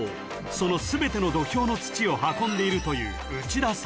［その全ての土俵の土を運んでいるという］